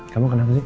kamu kenapa sih